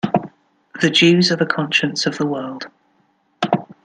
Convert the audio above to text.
The Jews are the conscience of the world.